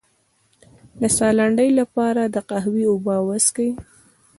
د ساه لنډۍ لپاره د قهوې اوبه وڅښئ